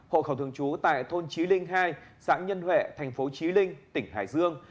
hộ khẩu thường trú tại thôn trí linh hai xã nhân huệ tp trí linh tỉnh hải dương